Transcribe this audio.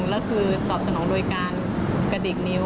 แล้วคือตอบสนองโดยการกระดิกนิ้ว